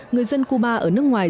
người dân cuba ở nước ngoài